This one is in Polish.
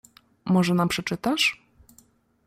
"Może nam przeczytasz?"